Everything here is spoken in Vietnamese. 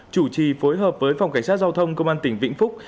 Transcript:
chủ trì phối hợp với phòng cảnh sát giao thông công an tỉnh vĩnh phúc